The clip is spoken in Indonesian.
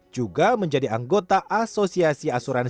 juga menjadi anggota asosiasi asuransi